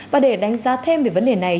và để đánh giá thêm về vấn đề này